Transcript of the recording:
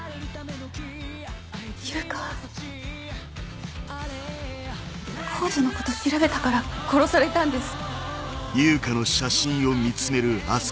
悠香はＣＯＤＥのこと調べたから殺されたんです。